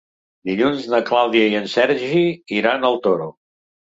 Dilluns na Clàudia i en Sergi iran al Toro.